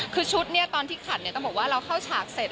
คือชุดนี่ตอนที่ขัดก็บอกว่าเราเข้าฉากเต็มได้